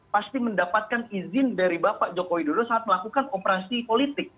pasti mendapatkan izin dari bapak joko widodo saat melakukan operasi politik